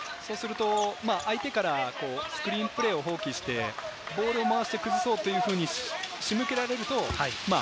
相手からスクリーンプレーを放棄して、ボールを回して崩そうというふうに仕向けられると。